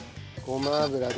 ごま油。